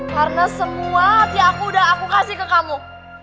karena semua hati aku udah aku kasih ke kamu